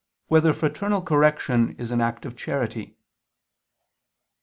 1] Whether Fraternal Correction Is an Act of Charity?